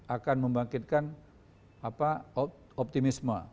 akan membangkitkan apa optimisme